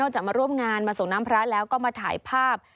จากมาร่วมงานมาส่งน้ำพระแล้วก็มาถ่ายภาพ